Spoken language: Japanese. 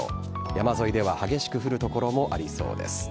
山沿いでは激しく降る所もありそうです。